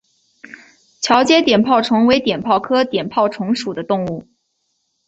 桥街碘泡虫为碘泡科碘泡虫属的动物。